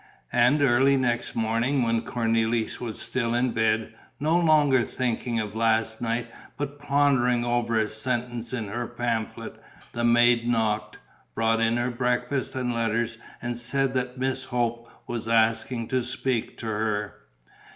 And early next morning, while Cornélie was still in bed, no longer thinking of last night but pondering over a sentence in her pamphlet, the maid knocked, brought in her breakfast and letters and said that Miss Hope was asking to speak to her.